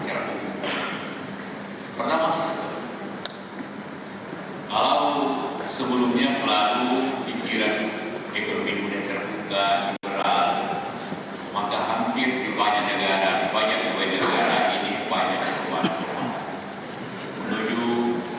pertama sistem kalau sebelumnya selalu pikiran ekonomi mudah terbuka jualan maka hampir di banyak negara di banyak banyak negara ini banyak yang berpengaruh